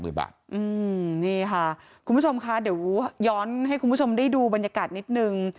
นี่ค่ะคุณผู้ชมค่ะเดี๋ยวย้อนให้คุณผู้ชมได้ดูบรรยากาศนิดนึง